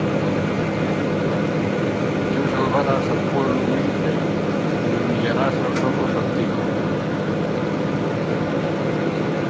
Y tú salvarás al pueblo humilde, Y humillarás los ojos altivos.